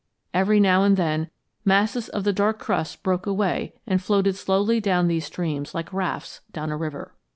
Every now and then masses of the dark crust broke away and floated slowly down these streams like rafts down a river.